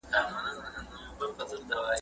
منځنۍ پېړۍ له ظلمونو ډکه وه.